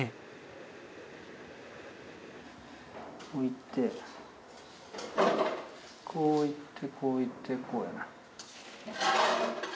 こういってこういってこういってこうやな。